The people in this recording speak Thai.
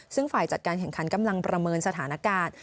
ซึ่งฝ่ายจัดการแข่งขันกำลังประเมินสถานการณ์